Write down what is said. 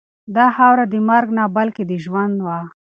دا خاوره د مرګ نه بلکې د ژوند وه.